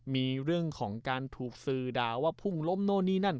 มีเรื่องของการถูกสื่อด่าว่าพุ่งล้มโน่นนี่นั่น